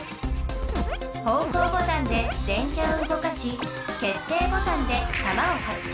方向ボタンで電キャをうごかし決定ボタンでたまを発射。